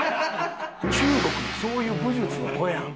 中国のそういう武術の子やん。